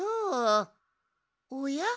おや？